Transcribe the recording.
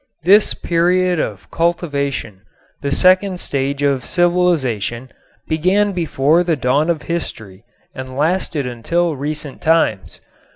This period of cultivation, the second stage of civilization, began before the dawn of history and lasted until recent times.